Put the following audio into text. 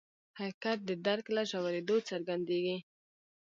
حقیقت د درک له ژورېدو څرګندېږي.